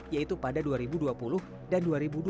yaitu pada dua ribu dua puluh dan dua ribu dua puluh